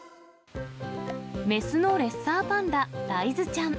雌のレッサーパンダ、ダイズちゃん。